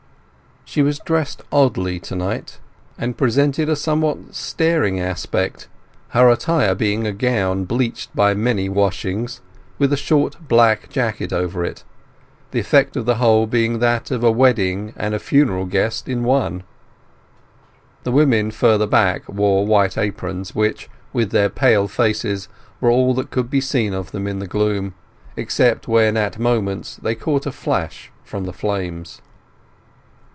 She was oddly dressed to night, and presented a somewhat staring aspect, her attire being a gown bleached by many washings, with a short black jacket over it, the effect of the whole being that of a wedding and funeral guest in one. The women further back wore white aprons, which, with their pale faces, were all that could be seen of them in the gloom, except when at moments they caught a flash from the flames.